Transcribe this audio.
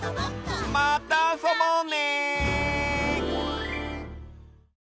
またあそぼうね！